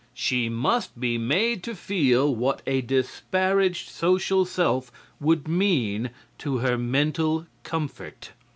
"She must be made to feel what a disparaged social self would mean to her mental comfort."